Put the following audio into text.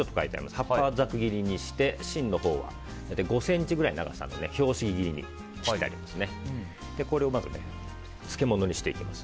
葉っぱをざく切りにして芯のほうは５ｃｍぐらいの長さの拍子木切りに切ってあります。